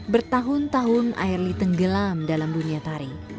bertahun tahun airly tenggelam dalam dunia tari